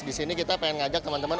di sini kita ingin mengagak teman teman